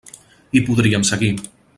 I podríem seguir.